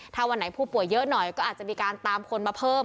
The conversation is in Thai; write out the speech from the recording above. ถ้าวันไหนผู้ป่วยเยอะหน่อยก็อาจจะมีการตามคนมาเพิ่ม